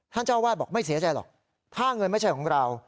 เจ้าวาดบอกไม่เสียใจหรอกถ้าเงินไม่ใช่ของเรา